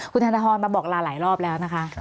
คุณธนทรมาบอกลาหลายรอบแล้วนะคะ